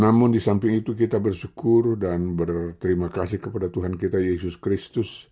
namun di samping itu kita bersyukur dan berterima kasih kepada tuhan kita yesus kristus